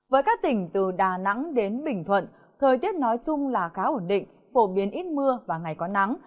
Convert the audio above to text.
với các tỉnh từ đà nẵng đến bình thuận thời tiết nói chung là khá ổn định phổ biến ít mưa và ngày có nắng